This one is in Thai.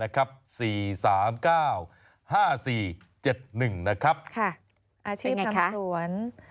อาชีพทำสวน